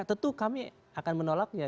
tentu kami akan menolaknya